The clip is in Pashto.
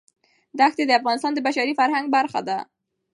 دښتې د افغانستان د بشري فرهنګ برخه ده.